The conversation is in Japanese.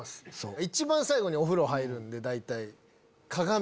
一番最後にお風呂入るんで大体。